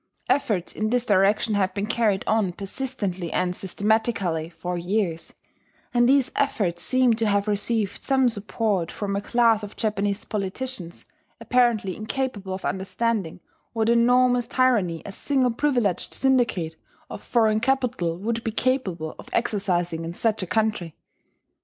Efforts in this direction have been carried on persistently and systematically for years; and these efforts seem to have received some support from a class of Japanese politicians, apparently incapable of understanding what enormous tyranny a single privileged syndicate of foreign capital would be capable of exercising in such a country.